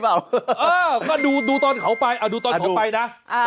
เออเอ้ะคุณค่ะดูตอนเขาไปนะ